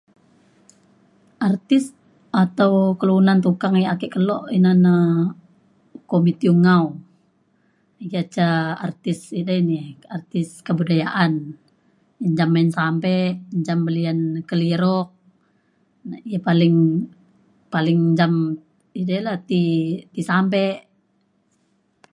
artis atau kelunan tukang yak ake kelo ina na uko Mathew Ngau. ya ca artis ida ni artis kebudayaan menjam main sampe menjam belian keliruk na ia’ paling paling menjam edei la ti sampe